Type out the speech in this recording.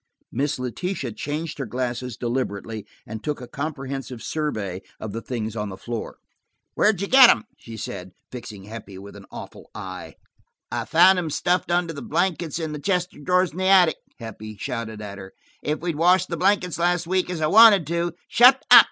Miss Letitia changed her glasses deliberately, and took a comprehensive survey of the things on the floor. "Where did you get 'em?" she said, fixing Heppie with an awful eye. "I found 'em stuffed under the blankets in the chest of drawers in the attic," Heppie shouted at her. "If we'd washed the blankets last week, as I wanted to–" "Shut up!"